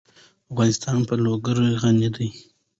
افغانستان په لوگر غني دی.